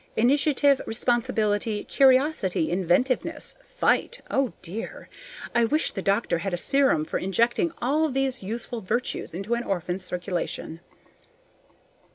Initiative, responsibility, curiosity, inventiveness, fight oh dear! I wish the doctor had a serum for injecting all these useful virtues into an orphan's circulation.